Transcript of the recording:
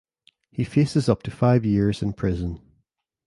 He faces up to five years in prison.